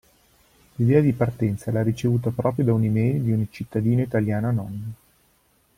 L'idea di partenza l'ha ricevuta proprio da un email di un cittadino italiano anonimo.